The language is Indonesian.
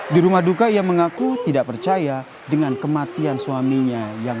di rumah duka ia mengaku tidak percaya dengan kematian suaminya yang